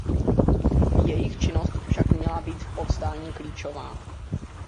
Jejich činnost však měla být v povstání klíčová.